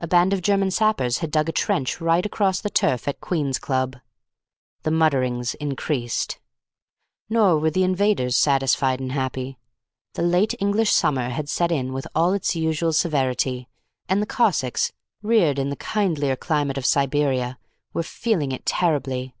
A band of German sappers had dug a trench right across the turf at Queen's Club. The mutterings increased. Nor were the invaders satisfied and happy. The late English summer had set in with all its usual severity, and the Cossacks, reared in the kindlier climate of Siberia, were feeling it terribly.